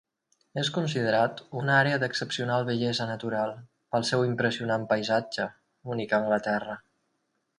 És considerat una àrea d'excepcional bellesa natural, pel seu impressionant paisatge, únic a Anglaterra.